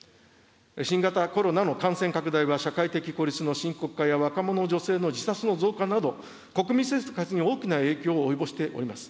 新型コロナの感染拡大は社会的孤立の深刻化や若者、女性の自殺の増加など、国民生活に大きな影響を及ぼしております。